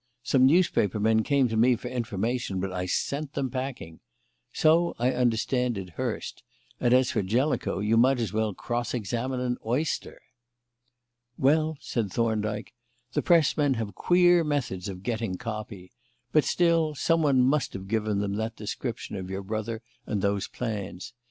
Some newspaper men came to me for information, but I sent them packing. So, I understand, did Hurst; and as for Jellicoe, you might as well cross examine an oyster." "Well," said Thorndyke, "the Press men have queer methods of getting 'copy'; but still, someone must have given them that description of your brother and those plans.